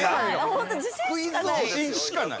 ◆本当、自信しかない。